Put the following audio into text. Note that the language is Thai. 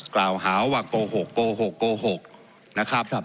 กล่าวหาว่าโกหกโกหกโกหกนะครับ